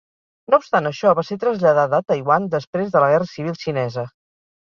No obstant això, va ser traslladada a Taiwan després de la Guerra civil xinesa.